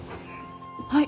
はい！